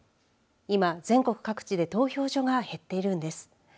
今、全国各地で投票所が減っているんです。